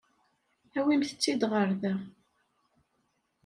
Awimt-tt-id ɣer da.